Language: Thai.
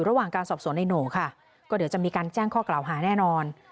เราจะมีการแจ้งข้อกล่าวหาแน่นอน